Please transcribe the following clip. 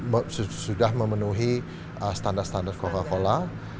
prosesnya ini sudah memenuhi standar standar coca cola